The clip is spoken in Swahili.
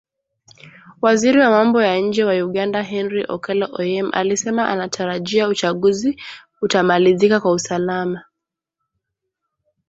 Waziri wa Mambo ya Nje wa Uganda Henry Okello Oryem alisema anatarajia uchaguzi utamalizika kwa usalama.